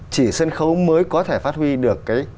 chỉ sân khấu mới có thể phát huy được